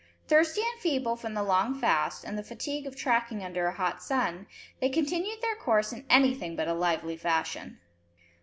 Thirsty and feeble from the long fast, and the fatigue of tracking under a hot sun, they continued their course in anything but a lively fashion.